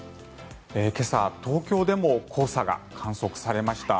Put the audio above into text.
今朝、東京でも黄砂が観測されました。